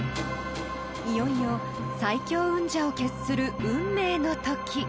［いよいよ最強運者を決する運命の時］